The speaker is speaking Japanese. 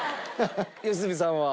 良純さんは？